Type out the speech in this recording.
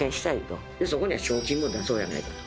そこには賞金も出そうやないかと。